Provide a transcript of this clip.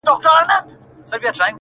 د زنده باد د مردباد په هديره كي پراته.